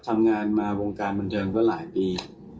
ทำงานมาวงการบันเทิงก็หลายปี